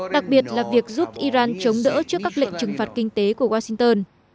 đặc biệt là việc giúp iran chống đỡ trước các lệnh trừng phạt kinh tế của washington